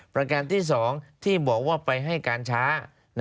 ประการที่๒ที่บอกว่าไปให้การช้า